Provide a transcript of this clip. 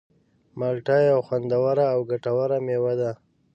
مالټه یوه خوندوره او ګټوره مېوه ده.